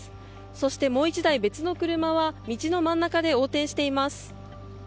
そしてもう１台、別の車は道の真ん中で横転しています。